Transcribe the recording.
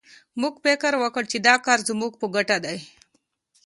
موږ فکر وکړ چې دا کار زموږ په ګټه دی